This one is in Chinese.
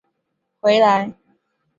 她昨晚坐高铁去了北京，下周才回来。